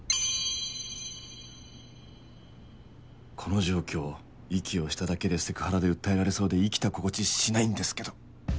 この状況息をしただけでセクハラで訴えられそうで生きた心地しないんですけど